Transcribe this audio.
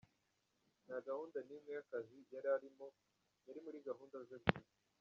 nta gahunda n’imwe y’akazi yari arimo, yari muri gahunda ze bwite.